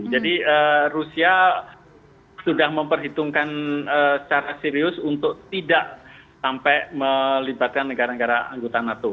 jadi rusia sudah memperhitungkan secara serius untuk tidak sampai melibatkan negara negara anggota nato